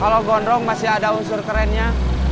kalau gondrong masih ada unsur kerennya